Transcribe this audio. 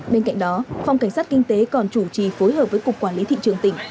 bên cạnh đó phòng cảnh sát kinh tế còn chủ trì phối hợp với cục quản lý thị trường tỉnh